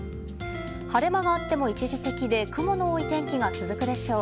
晴れ間があっても一時的で雲の多い天気が続くでしょう。